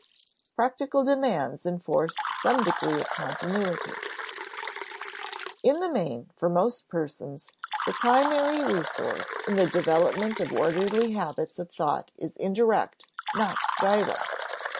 [Sidenote: Practical demands enforce some degree of continuity] In the main, for most persons, the primary resource in the development of orderly habits of thought is indirect, not direct.